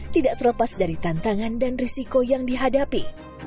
tidak terlepas dari tantangan dan risiko yang dihadapi